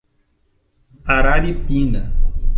Araripina